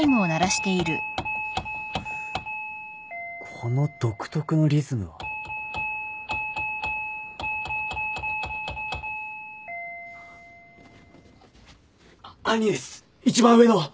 ・この独特のリズムは。あっ兄です一番上の！